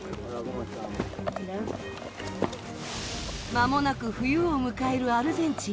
まもなく冬を迎えるアルゼンチン。